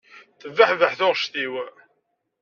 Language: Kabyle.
Tebbeḥbeḥ taɣect-iw.